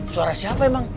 suara siapa emang